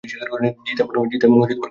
জিত এবং কোয়েল মল্লিক